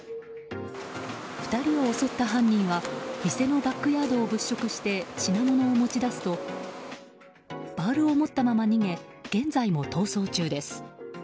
２人を襲った犯人は店のバックヤードを物色して品物を持ち出すとバールを持ったまま逃げ現在も逃走中です。